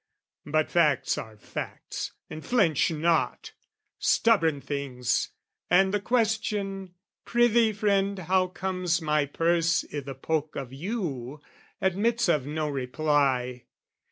But facts are facts and flinch not; stubborn things, And the question "Prithee, friend, how comes my purse "I' the poke of you?" admits of no reply.